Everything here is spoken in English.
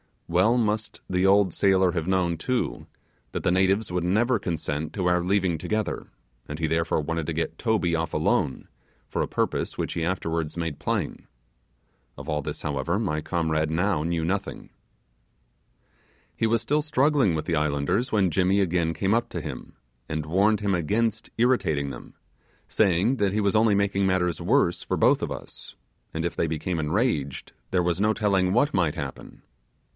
Well must the old sailor have known, too, that the natives would never consent to our leaving together, and he therefore wanted to get Toby off alone, for a purpose which he afterwards made plain. Of all this, however, my comrade now knew nothing. He was still struggling with the islanders when Jimmy again came up to him, and warned him against irritating them, saying that he was only making matters worse for both of us, and if they became enraged, there was no telling what might happen.